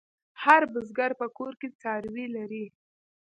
هر بزگر په کور کې څاروي لري.